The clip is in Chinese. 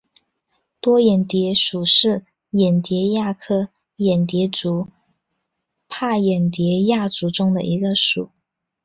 多眼蝶属是眼蝶亚科眼蝶族帕眼蝶亚族中的一个属。